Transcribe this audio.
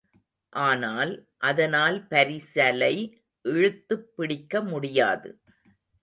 ஆனால் அதனால் பரிசலை இழுத்துப் பிடிக்க முடியாது.